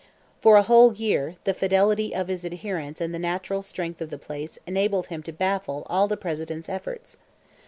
For a whole year, the fidelity of his adherents and the natural strength of the place enabled him to baffle all the President's efforts.